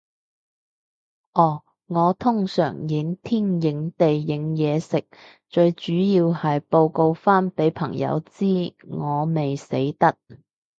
哦，我通常影天影地影嘢食，最主要係報告返畀朋友知，我未死得